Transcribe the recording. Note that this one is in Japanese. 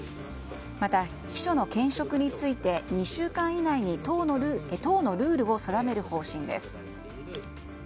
また、秘書の兼職について２週間以内に党のルールを定める方針です。